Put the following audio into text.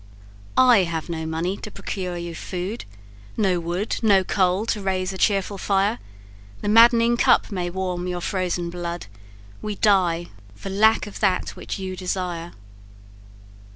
"'I have no money to procure you food, No wood, no coal, to raise a cheerful fire; The madd'ning cup may warm your frozen blood We die, for lack of that which you desire!'